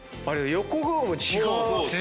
横顔も違う。